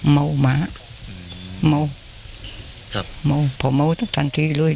เมาหมาเมาเมาผมเมาต้องทันทีเลย